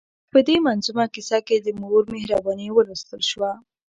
په دې منظومه کیسه کې د مور مهرباني ولوستل شوه.